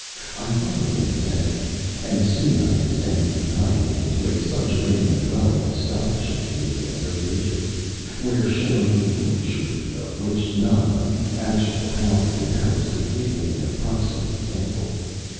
I followed him attentively, and soon I descended behind him into a subterranean dwelling, astonishing to me as a vision, where shone a luxury of which none of the actual houses in Paris could give me an approximate example.